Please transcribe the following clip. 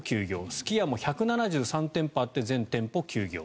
すき家も１７３店舗あって全店舗休業。